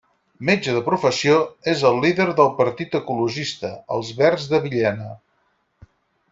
Metge de professió, és el líder del partit ecologista Els Verds de Villena.